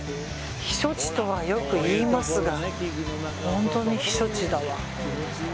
避暑地とはよくいいますが本当に避暑地だわ。